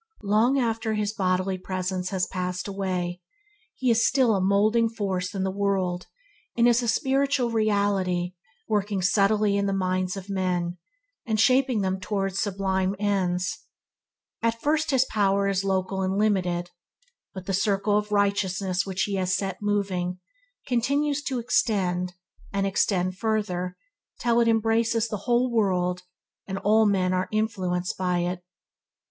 Long after his bodily presence has passed away, he is still a moulding force in the world and is a spiritual reality working subtly in the minds of men, and shaping them towards sublime ends. At first his power local and limited, but the circle of righteousness which he has set moving, continues to extend and extended till it embraces the whole world, and all men are influenced by it.